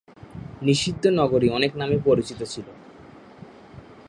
নিষিদ্ধ নগরী অনেক নামে পরিচিত ছিল।